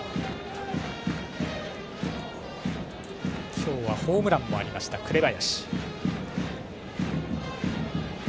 今日はホームランもありました紅林。